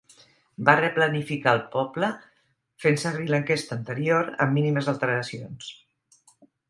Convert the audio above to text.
Va replanificar el poble fent servir l'enquesta anterior amb mínimes alteracions.